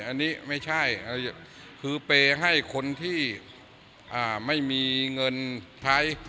อันนี้ไม่ใช่คือเปย์ให้คนที่ไม่มีเงินใช้